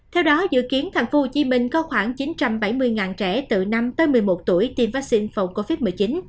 theo đó dự kiến tp hcm có khoảng chín trăm bảy mươi trẻ từ năm tới một mươi một tuổi tiêm vaccine phòng covid một mươi chín